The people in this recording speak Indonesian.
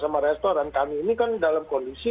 sama restoran kami ini kan dalam kondisi